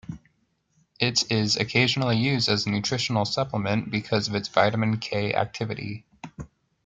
It is occasionally used as a nutritional supplement because of its vitamin K activity.